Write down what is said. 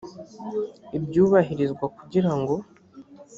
ibyubahirizwa kugira ngo